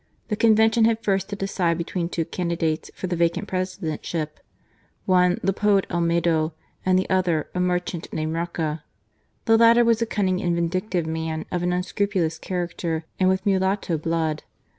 The Convention had first to decide between two candidates for the vacant presidentship. One, the poet Olmedo, the other, a merchant, named Roca. The latter was a cunning and vindictive man of an unscrupulous character and with mulatto blood.